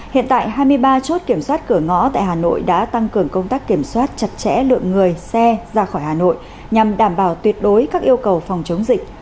hiện tại hai mươi ba chốt kiểm soát cửa ngõ tại hà nội đã tăng cường công tác kiểm soát chặt chẽ lượng người xe ra khỏi hà nội nhằm đảm bảo tuyệt đối các yêu cầu phòng chống dịch